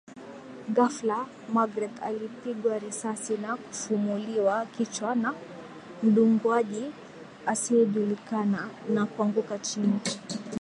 Ghafla Magreth alipigwa risasi na kufumuliwa kichwa na mdunguaji asiejulikana na kuanguka chini